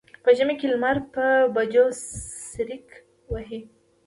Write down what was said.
په ژمي کې لمر په بجو څریکه وهي.